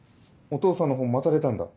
お父さんの本また出たんだ。